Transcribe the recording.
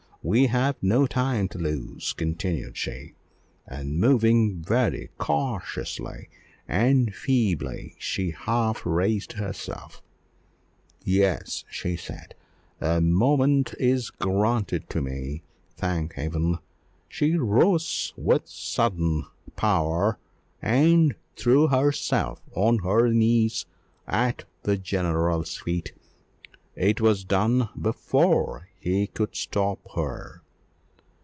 We have no time to lose," continued she, and moving very cautiously and feebly, she half raised herself "Yes," said she, "a moment is granted to me, thank Heaven!" She rose with sudden power and threw herself on her knees at the general's feet: it was done before he could stop her.